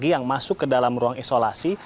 yang masuk ke dalam ruang isolasi